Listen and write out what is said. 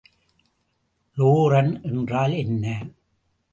Laurent என்றால் என்ன?